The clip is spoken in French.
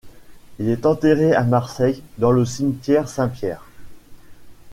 Il est enterré à Marseille dans le cimetière Saint-Pierre.